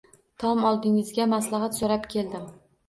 Tom, oldingizga maslahat so`rab keldim